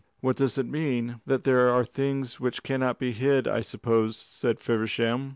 "What does it mean?" "That there are things which cannot be hid, I suppose," said Feversham.